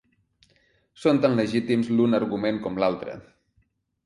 Són tan legítims l’un argument com l’altre.